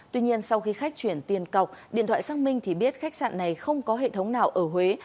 tuy nhiên sau khi khách chuyển tiền cọc điện thoại xác minh thì biết khách sạn này không có hệ thống nào ở huế